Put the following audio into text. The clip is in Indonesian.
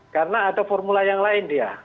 karena ada formula yang lain dia